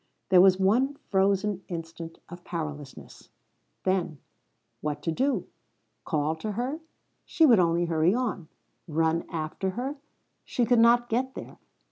There was one frozen instant of powerlessness. Then what to do? Call to her? She would only hurry on. Run after her? She could not get there.